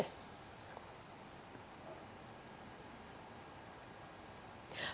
phòng kể sát